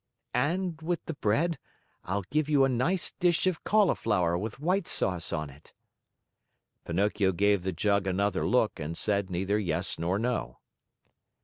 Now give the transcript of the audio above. "And with the bread, I'll give you a nice dish of cauliflower with white sauce on it." Pinocchio gave the jug another look and said neither yes nor no.